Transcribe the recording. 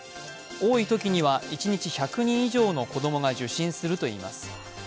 多いときには一日１００人以上の子供が受診するといいます。